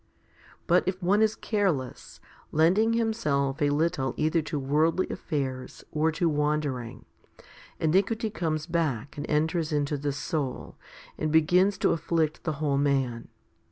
But if one is careless, lending himself a little either to worldly affairs or to wandering, iniquity comes back and enters into the soul, and begins to afflict the whole man.